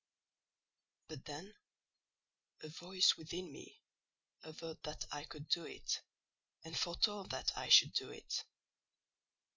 But, then, a voice within me averred that I could do it and foretold that I should do it.